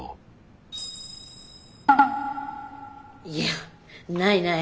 いやないない。